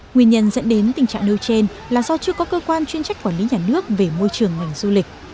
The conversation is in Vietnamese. nguyên nhân dẫn đến tình trạng nêu trên là do chưa có cơ quan chuyên trách quản lý nhà nước về môi trường ngành du lịch